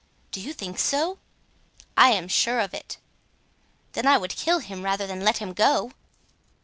"Do you think so?" "I am sure of it." "Then I would kill him rather than let him go."